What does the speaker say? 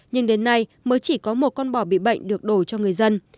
nhưng đến nay mới chỉ có một con bò bị bệnh được đổi cho người dân